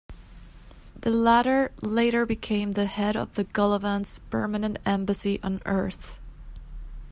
The latter later became the head of the Golovans' permanent embassy on Earth.